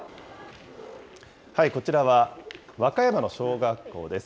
こちらは和歌山の小学校です。